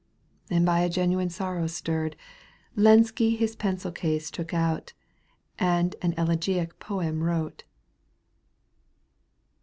"— And by a genuine sorrow stirred, Lenski his pencil case took out And an elegiac poem wrote.